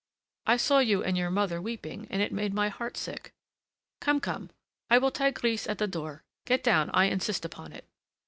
I saw you and your mother weeping, and it made my heart sick. Come, come, I will tie Grise at the door; get down, I insist upon it."